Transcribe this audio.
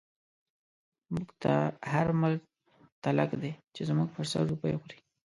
موږ ته هر ملک تلک دی، چی زموږ په سر روپۍ خوری